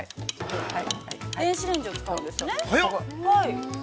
◆電子レンジを使うんですね。